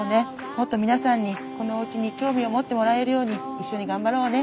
もっと皆さんにこのおうちに興味を持ってもらえるように一緒に頑張ろうね。